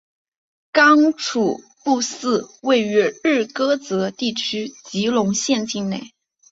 刚楚布寺位于日喀则地区吉隆县境内。